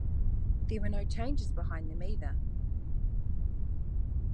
There were no changes behind them either.